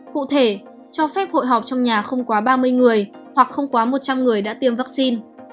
cụ thể cho phép hội họp trong nhà không quá ba mươi người hoặc không quá một trăm linh người đã tiêm vaccine